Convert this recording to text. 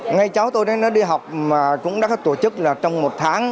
ngay cháu tôi đi học mà cũng đã có tổ chức là trong một tháng